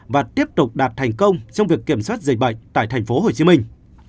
và tiếp tục đạt thành công trong việc kiểm soát dịch bệnh tại thành phố hồ chí minh